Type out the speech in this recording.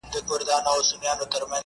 کاروان تېرېږي، سپي غپېږي.